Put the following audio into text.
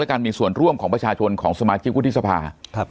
การมีส่วนร่วมของประชาชนของสมาชิกวุฒิสภา